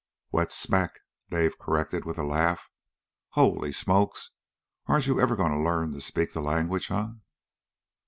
"Wet smack!" Dave corrected with a laugh. "Holy smokes! Aren't you ever going to learn to speak the language, huh?"